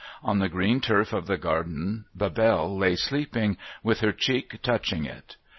On the green turf of the garden Bebelle lay sleeping, with her cheek touch ing it.